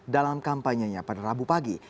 dalam kampanyenya pada rabu pagi